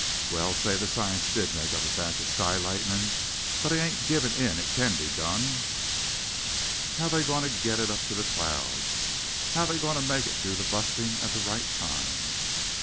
Well, say that science did make up a batch of sky lightnin' but I ain't givin' in it can be done how air they goin' to git up to the clouds, how're they goin' to make it do the bustin' at the right time?"